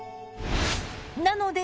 なので。